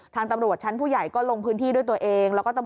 ตำรวจชั้นผู้ใหญ่ก็ลงพื้นที่ด้วยตัวเอง